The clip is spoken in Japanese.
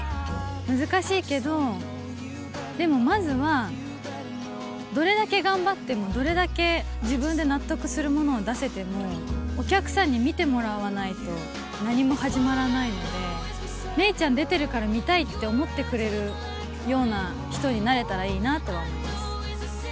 難しいけど、でもまずは、どれだけ頑張っても、どれだけ自分で納得するものを出せても、お客さんに見てもらわないと何も始まらないので、芽郁ちゃん出てるから見たいって思ってくれるような人になれたらいいなとは思います。